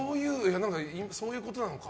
そういうことなのか。